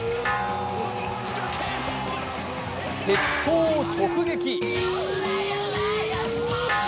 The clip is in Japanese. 鉄塔を直撃！